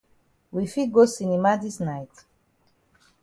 We fit go cinema dis night?